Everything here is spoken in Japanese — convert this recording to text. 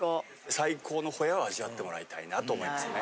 最高のホヤを味わってもらいたいなと思いますよね。